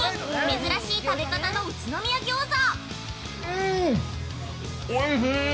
珍しい食べ方の宇都宮餃子。